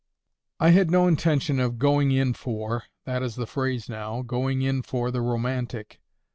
I had no intention of GOING IN FOR—that is the phrase now—going in for the romantic.